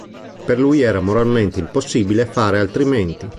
Per lui era moralmente impossibile fare altrimenti.